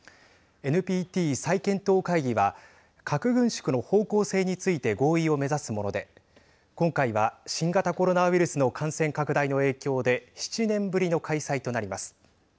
ＮＰＴ再検討会議は核軍縮の方向性について合意を目指すもので今回は新型コロナウイルスの感染拡大の影響で７年ぶりの開催となります。